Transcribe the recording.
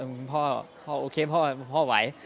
เออคุณพ่อโอเคพ่อไหว